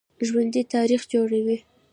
ژوندي تاریخ جوړوي